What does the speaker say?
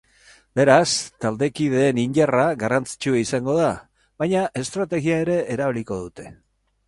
Beraz, taldekideen indarra garrantzitsua izango da, baina estrategia ere erabiliko dute.